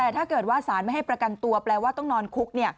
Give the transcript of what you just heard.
แต่ถ้าเกิดว่าสารไม่ให้ประกันตัวแปลว่าต้องนอนคุก